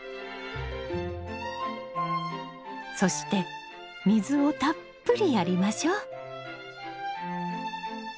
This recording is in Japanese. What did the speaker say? そして水をたっぷりやりましょう。